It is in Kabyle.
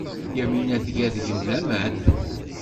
Yamina tga deg-m laman.